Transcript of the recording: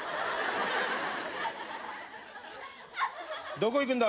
どこ行くんだ？